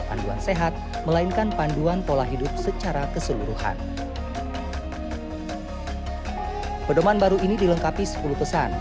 panduan sehat melainkan panduan pola hidup secara keseluruhan pedoman baru ini dilengkapi sepuluh pesan